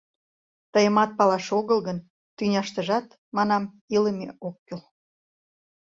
Тыйымат палаш огыл гын, тӱняштыжат, манам, илыме ок кӱл.